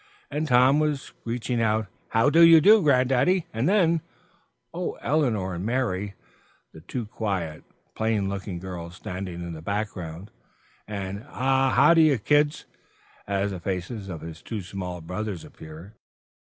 And Tom was screeching out, "How do you do, Granddaddy!" And then, "Oh, Elinor and Mary!" to two quiet, plain looking girls standing in the background. And "Ah, how d'ye kids!" as the faces of his two small brothers appeared.